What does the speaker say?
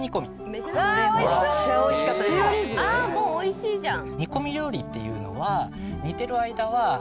ああもうおいしいじゃん